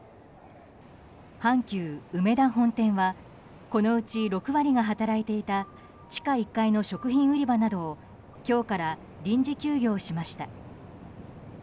阪急うめだ本店はこのうち６割が働いていた地下１階の食料品売り場などを今日から臨時休業しました。